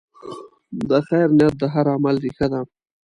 د خیر نیت د هر عمل ریښه ده.